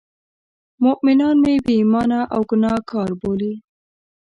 مومنان مې بې ایمانه او ګناه کار بولي.